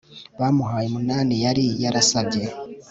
bamuhaye umunani yari yarasabye